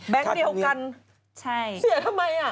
แบงก์เดียวกันเสียทำไมอ่ะ